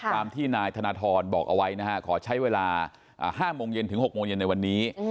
ตามที่นายธนทรบอกเอาไว้นะฮะขอใช้เวลา๕โมงเย็นถึง๖โมงเย็นในวันนี้